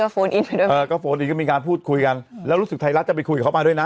พีย์ก็เอ่อก็มีงานพูดคุยกันแล้วลูกศิษย์ไทยรัฐจะไปคุยกับเขามาด้วยน่ะ